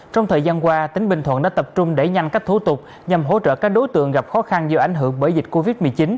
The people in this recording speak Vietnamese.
trong thời gian qua tỉnh bình thuận đã tập trung đẩy nhanh các thủ tục nhằm hỗ trợ các đối tượng gặp khó khăn do ảnh hưởng bởi dịch covid một mươi chín